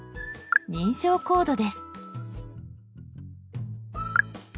認証コードです。